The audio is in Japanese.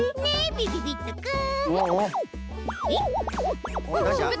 びびびっとくん！